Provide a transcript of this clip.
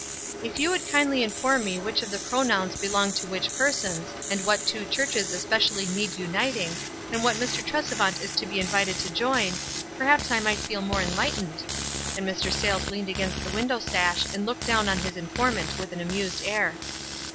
" If you would kindly inform me which of the pronouns belong to which persons, and what two WISE AND OTHERWISE. 313 churches especially need uniting, and what Mr. Tresevant is to be invited to join, perhaps I might feel more enlightened." And Mr. Sayles leaned against the window sash, and looked down on his informant with an amused air.